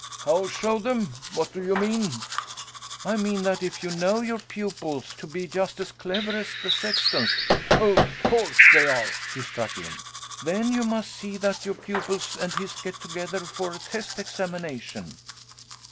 "How show them? What do you mean?" "I mean that if you know your pupils to be just as clever as the sexton's " "Of course they are!" he struck in. " then you must see that your pupils and his get together for a test examination."